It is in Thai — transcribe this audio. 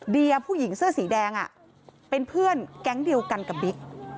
เดียผู้หญิงเสื้อสีแดงเป็นเพื่อนแก๊งเดียวกันกับบิ๊ก